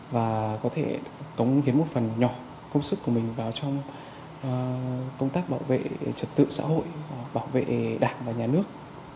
và có thể cống hiến một phần nhỏ công sức của mình vào trong công tác bảo vệ trật tự xã hội bảo vệ đảng và nhà nước